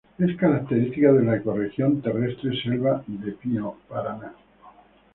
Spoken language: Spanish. Es característica de la ecorregión terrestre selva de pino Paraná.